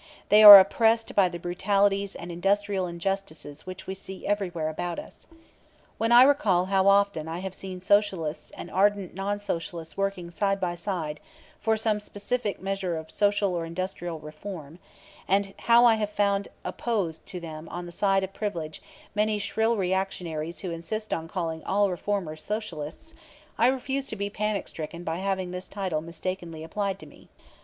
They are oppressed by the brutalities and industrial injustices which we see everywhere about us. When I recall how often I have seen Socialists and ardent non Socialists working side by side for some specific measure of social or industrial reform, and how I have found opposed to them on the side of privilege many shrill reactionaries who insist on calling all reformers Socialists, I refuse to be panic stricken by having this title mistakenly applied to me.